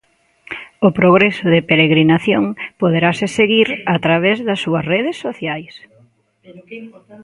O progreso da peregrinación poderase seguir a través das súas redes sociais.